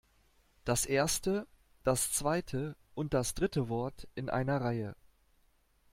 Das erste, das zweite und das dritte Wort in einer Reihe.